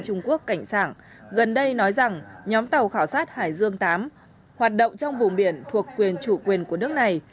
trung quốc cảnh sảng gần đây nói rằng nhóm tàu khảo sát hải dương viii hoạt động trong vùng biển thuộc quyền chủ quyền của nước này